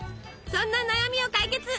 そんな悩みを解決！